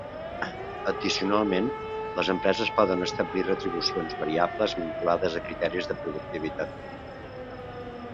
Addicionalment, les empreses poden establir retribucions variables vinculades a criteris de productivitat.